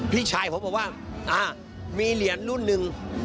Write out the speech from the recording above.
พี่ชายผมบอกว่ามีเหรียญรุ่นหนึ่ง